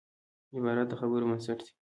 عبارت د خبرو بنسټ دئ.